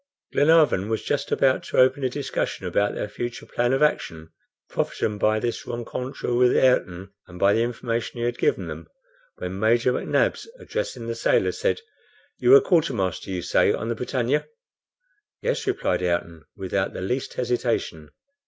Glenarvan was just about to open a discussion about their future plan of action, profiting by this rencontre with Ayrton, and by the information he had given them, when Major McNabbs, addressing the sailor said, "You were quartermaster, you say, on the BRITANNIA?" "Yes," replied Ayrton, without the least hesitation.